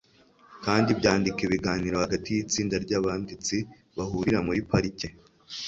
kandi byandika ibiganiro hagati yitsinda ryabanditsi bahurira muri parike